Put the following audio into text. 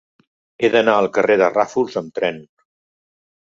He d'anar al carrer de Ràfols amb tren.